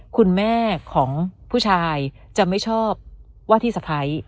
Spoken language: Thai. คุณแม่ของผู้ชายจะไม่ชอบว่าที่สะพ้าย